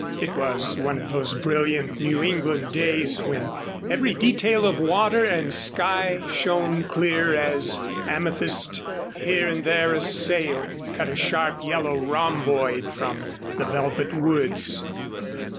It was one of those brilliant New England days when every detail of water and sky shone clear as an amethyst. Here and there a sail cut a sharp yellow rhomboid from the velvet woods.